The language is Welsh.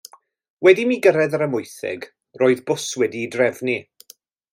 Wedi i mi gyrraedd yr Amwythig, roedd bws wedi'i drefnu.